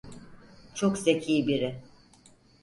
Çok zeki biri.